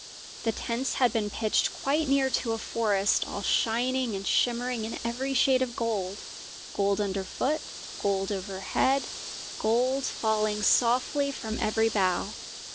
The tents had been pitched quite near to a forest all shining and shimmering in every shade of gold; gold under foot, gold overhead, gold falling softly from every bough.